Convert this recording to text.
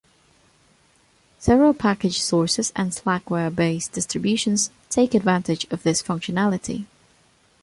Several package sources and Slackware based distributions take advantage of this functionality.